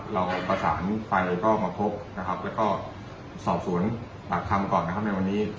เราประสานไฟก็มาพบแล้วก็สอบสวนปากคำก่อน